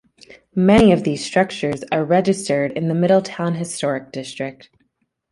Many of these structures are registered in the Middletown Historic District.